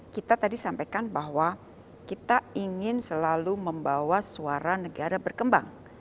kita tadi sampaikan bahwa kita ingin selalu membawa suara negara berkembang